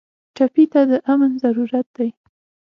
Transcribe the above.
ټپي ته د امن ضرورت دی.